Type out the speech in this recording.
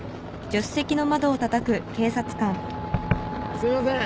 すいません。